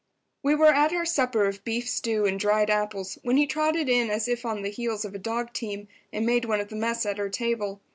We were at our supper of beef stew and dried apples when he trotted in as if on the heels of a dog team, and made one of the mess at our table.